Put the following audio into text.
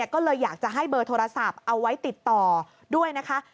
ก็เลยอยากจะให้เบอร์โทรศัพท์เอาไว้ติดต่อด้วยนะคะ